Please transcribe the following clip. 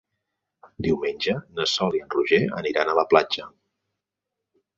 Diumenge na Sol i en Roger aniran a la platja.